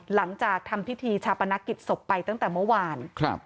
หลังจากทำพิธีชาปนกิจศพไปตั้งแต่เมื่อวานครับ